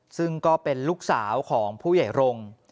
ซึ่งก็เป็นลูกสาวของผู้ใหญ่รงค์